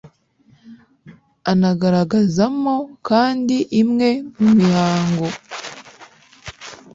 anagaragazamo kandi imwe mu mihango